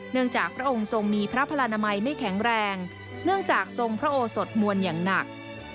จากพระองค์ทรงมีพระพลานามัยไม่แข็งแรงเนื่องจากทรงพระโอสดมวลอย่างหนัก